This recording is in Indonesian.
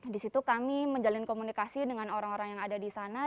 di situ kami menjalin komunikasi dengan orang orang yang ada di sana